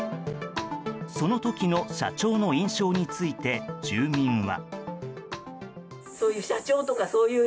その時の社長の印象について住民は。